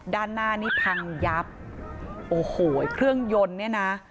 ด้านหน้านี่พังยับโอ้โหเครื่องยนต์เนี่ยนะ